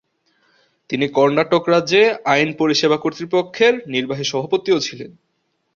তিনি কর্ণাটক রাজ্য আইনি পরিষেবা কর্তৃপক্ষের নির্বাহী সভাপতিও ছিলেন।